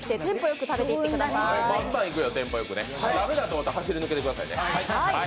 テンポよく駄目だと思ったら走り抜けてくださいね。